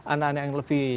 anak anak yang lebih